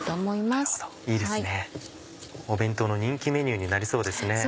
お弁当の人気メニューになりそうですね。